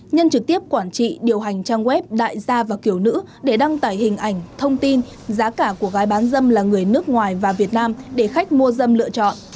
nhân trực tiếp quản trị điều hành trang web đại gia và kiểu nữ để đăng tải hình ảnh thông tin giá cả của gái bán dâm là người nước ngoài và việt nam để khách mua dâm lựa chọn